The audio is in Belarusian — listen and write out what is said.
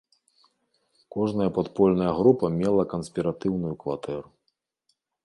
Кожная падпольная група мела канспіратыўную кватэру.